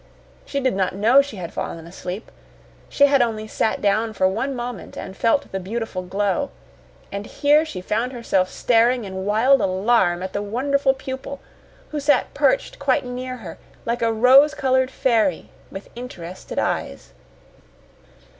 She did not know she had fallen asleep. She had only sat down for one moment and felt the beautiful glow and here she found herself staring in wild alarm at the wonderful pupil, who sat perched quite near her, like a rose colored fairy, with interested eyes.